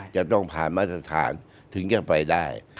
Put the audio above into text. จะต้องผ่านมาตรฐานถึงจะไปได้